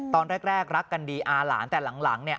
ตอนแรกรักกันดีอาหลานแต่หลังเนี่ย